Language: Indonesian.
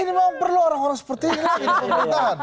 ini memang perlu orang orang seperti ini lagi di pemerintahan